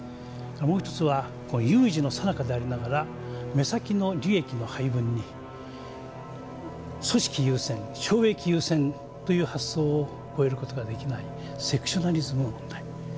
もう一つは有事のさなかでありながら目先の利益の配分に組織優先省益優先という発想を超える事ができないセクショナリズムの問題。